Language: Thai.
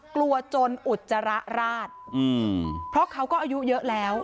กลัวจนอุจจาระราชอืมเพราะเขาก็อายุเยอะแล้ว